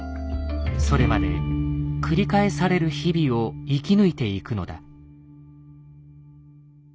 それまで繰り返される日々を生き抜いていくのだ。